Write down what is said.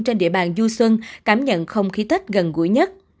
trên địa bàn du xuân cảm nhận không khí tết gần gũi nhất